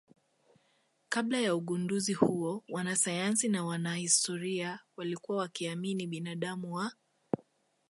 Kabla ya ugunduzi huo wanasayansi na wanahistoria walikuwa wakiamini binadamu wa